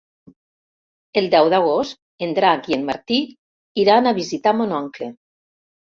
El deu d'agost en Drac i en Martí iran a visitar mon oncle.